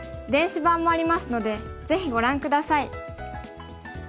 電子版もありますのでぜひご覧下さい。